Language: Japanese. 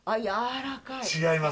違います。